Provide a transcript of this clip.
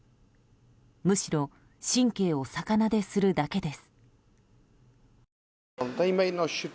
むしろ神経を逆なでするだけです。